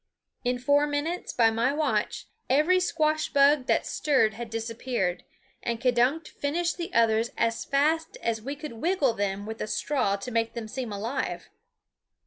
In four minutes, by my watch, every squash bug that stirred had disappeared, and K'dunk finished the others as fast as we could wiggle them with a straw to make them seem alive.